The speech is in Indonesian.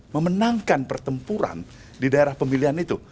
memenangkan pertempuran di daerah pemilihan itu